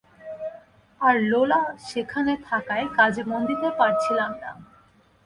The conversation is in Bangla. আর লোলা সেখানে থাকায়, কাজে মন দিতে পারছিলাম না।